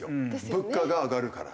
物価が上がるから。